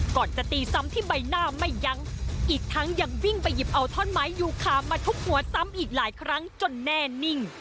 ก่อนจะตีซ้ำที่ใบหน้าไม่ยั้งอีกทั้งยังวิ่งไปหยิบเอาท่อนไม้ยูคามาทุบหัวซ้ำอีกหลายครั้งจนแน่นิ่ง